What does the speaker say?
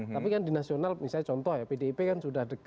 tapi kan di nasional misalnya contoh ya